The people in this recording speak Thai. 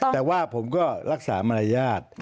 แต่ว่าผมก็รักษามารยาท